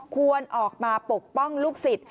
ควรออกมาปกป้องลูกศิษย์